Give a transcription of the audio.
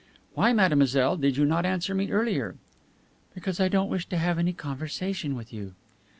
"Why, mademoiselle, did you not answer me earlier?" "Because I don't wish to have any conversation with you."